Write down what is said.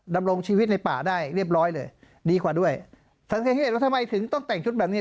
ดำรงชีวิตในป่าได้เรียบร้อยเลยดีกว่าด้วยสาเหตุแล้วทำไมถึงต้องแต่งชุดแบบนี้